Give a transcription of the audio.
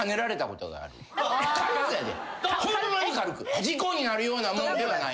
事故になるようなものではない。